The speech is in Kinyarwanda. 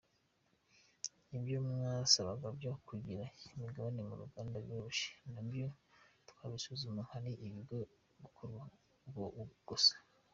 Ibyo mwasabaga byo kugira imigabane mu ruganda biroroshye nabyo twabisuzuma hari ibigomba gukorwa gusa.